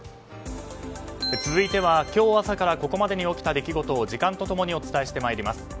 続いては今日朝からここまでに起きた出来事を時間と共にお伝えしてまいります。